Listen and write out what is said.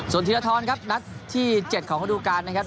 ส่วนทีละท้อนครับนัดที่๗ของเขาดูการนะครับ